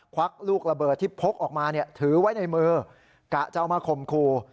วักลูกระเบิดที่พกออกมาถือไว้ในมือกะจะเอามาข่มขู่